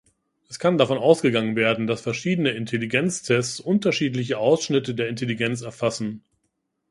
Es kann davon ausgegangen werden, dass verschiedene Intelligenztests unterschiedliche Ausschnitte der Intelligenz erfassen.